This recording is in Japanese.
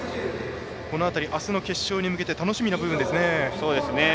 この辺り、あすの決勝に向けて楽しみな部分ですね。